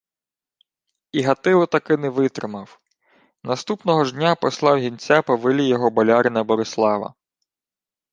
І Гатило таки не витримав: наступного ж дня послав гінця по велійого болярина Борислава.